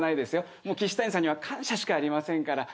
もう岸谷さんには感謝しかありませんから。